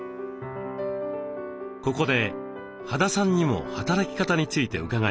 ここで羽田さんにも働き方について伺いました。